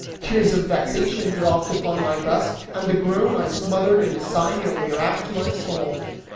Tears of vexation dropped upon my breast and the groan I smothered in a sigh nearly wracked my soul.